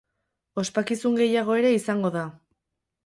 Ospakizun gehiago ere izango da.